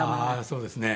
そうですね。